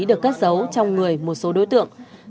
được cất giấu trong người một số đối tượng